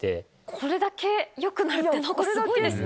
これだけよくなるってすごいですね。